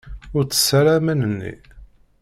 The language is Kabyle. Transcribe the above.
Ur ttess ara aman-nni!